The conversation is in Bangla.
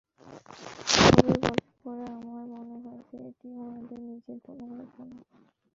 ছবির গল্প পড়ে আমার মনে হয়েছে এটি মুরাদের নিজের কোনো গল্প না।